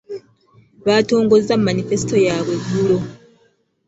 Baatongozza manifesito yaabwe eggulo.